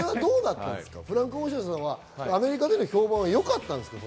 フランク・オーシャンさんはアメリカでの評判はよかったんですか？